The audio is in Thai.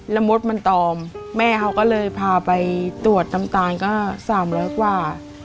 แล้วมดมันตอมแม่เขาก็เลยพาไปตรวจน้ำตาลก็๓๐๐กว่า